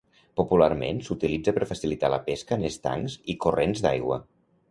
Popularment s'utilitza per facilitar la pesca en estancs i corrents d'aigua.